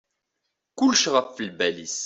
Kulec ɣef lbal-is.